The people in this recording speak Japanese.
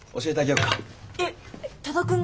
教えてあげよっか。